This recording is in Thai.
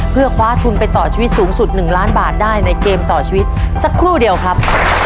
เพื่อคว้าทุนไปต่อชีวิตสูงสุด๑ล้านบาทได้ในเกมต่อชีวิตสักครู่เดียวครับ